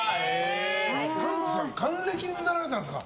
ダンプさん還暦になられたんですか。